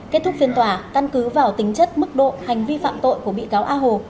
kết thúc phiên tòa căn cứ vào tính chất mức độ hành vi phạm tội của bị cáo a hồ